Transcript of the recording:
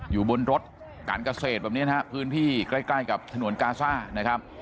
อยู่บนรถการเกษตรแบบนี้นะครับพื้นที่ใกล้กับฉนวนกาซ่านะครับ